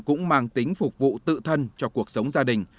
cũng mang tính phục vụ tự thân cho cuộc sống gia đình